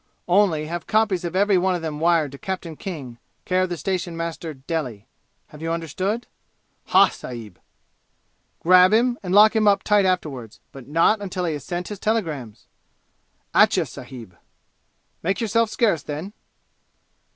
Only, have copies of every one of them wired to Captain King, care of the station master, Delhi. Have you understood?" "Ha, sahib." "Grab him, and lock him up tight afterward but not until he has sent his telegrams!' "Atcha, sahib." "Make yourself scarce, then!"